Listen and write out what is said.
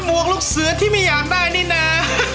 หมวกปีกดีกว่าหมวกปีกดีกว่า